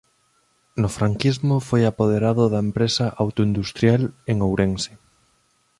No franquismo foi apoderado da empresa Auto Industrial en Ourense.